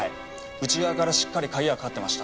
内側からしっかり鍵がかかってました。